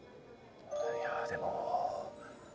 いやでも。